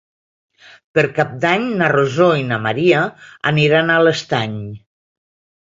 Per Cap d'Any na Rosó i na Maria aniran a l'Estany.